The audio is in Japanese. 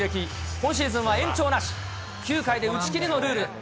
今シーズンは延長なし、９回で打ち切りのルール。